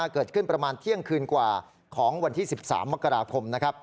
เกิดขึ้นประมาณเที่ยงคืนกว่าของวันที่๑๓มกราคม